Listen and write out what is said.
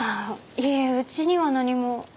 いえうちには何も。